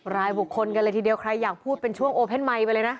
รายบุคคลกันเลยทีเดียวใครอยากพูดเป็นช่วงโอเพ่นไมค์ไปเลยนะ